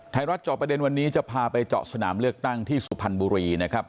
เจาะประเด็นวันนี้จะพาไปเจาะสนามเลือกตั้งที่สุพรรณบุรีนะครับ